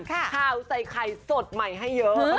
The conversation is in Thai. ข่าวใส่ไข่สดใหม่ให้เยอะ